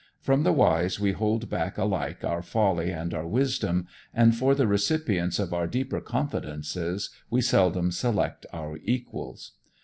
From the wise we hold back alike our folly and our wisdom, and for the recipients of our deeper confidences we seldom select our equals.